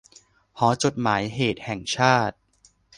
หอจดหมายเหตุแห่งชาติ